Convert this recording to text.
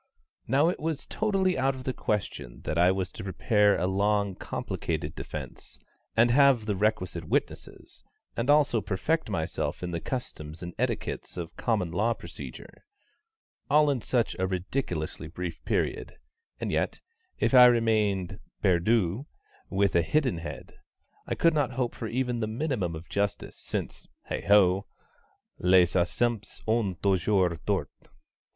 Now it was totally out of the question that I was to prepare a long complicated defence, and have the requisite witnesses, and also perfect myself in the customs and etiquettes of Common Law Procedure, all in such a ridiculously brief period; and yet, if I remained perdu with a hidden head, I could not hope for even the minimum of justice, since, heigh ho! les absents ont toujours tort.